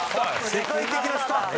世界的なスターね。